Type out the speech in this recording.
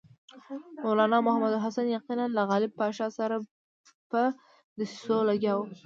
مولنا محمود الحسن یقیناً له غالب پاشا سره په دسیسو لګیا وو.